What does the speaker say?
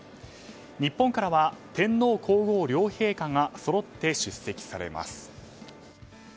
日本からは、天皇・皇后両陛下がそろって出席されます。